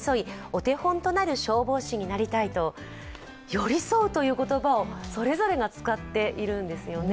寄り添うという言葉をそれぞれが使っているんですよね。